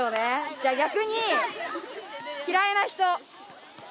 じゃあ逆に嫌いな人？